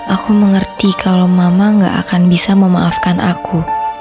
aku mengerti kalau mama gak akan bisa memaafkan aku